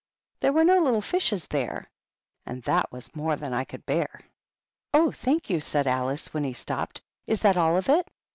There were no little flashes there ! And that was more titan I could hear!^ "Oh, thank you!" said Alice, when he stopped. " Is that all of it